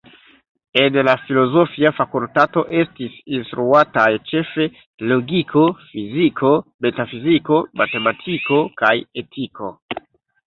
En la filozofia fakultato estis instruataj ĉefe logiko, fiziko, metafiziko, matematiko kaj etiko.